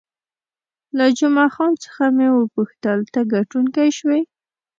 له جمعه خان څخه مې وپوښتل، ته ګټونکی شوې؟